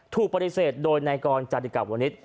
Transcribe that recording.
ถูกปฏิเสธโดยนายกรณ์จัดกรรมวนิตร